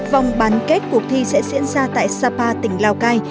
vòng bán kết cuộc thi sẽ diễn ra tại sapa tỉnh lào cai